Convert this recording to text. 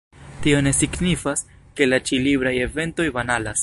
Tio ne signifas, ke la ĉi-libraj eventoj banalas.